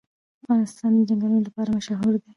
افغانستان د چنګلونه لپاره مشهور دی.